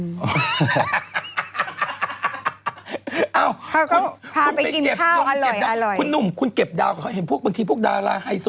เขาก็พาไปกินข้าวอร่อยอร่อยคุณหนุ่มคุณเก็บดาวเขาเห็นพวกบางทีพวกดาราไฮโซ